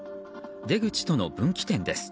出口との分岐点です。